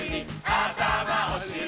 あたまおしり